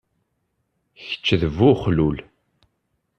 Keč d bu uxlul.